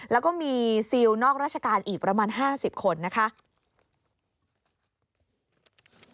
แล้วก็มีซิลนอกราชการอีกประมาณ๕๐คนนะคะ